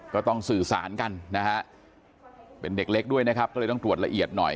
ก็ต้องสื่อสารกันนะฮะเป็นเด็กเล็กด้วยนะครับก็เลยต้องตรวจละเอียดหน่อย